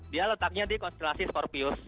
dia letaknya di konstelasi skorpius